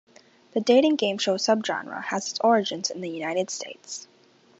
The dating game show subgenre has its origins in the United States.